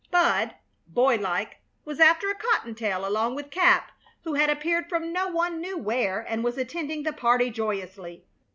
Bud, boy like, was after a cottontail, along with Cap, who had appeared from no one knew where and was attending the party joyously.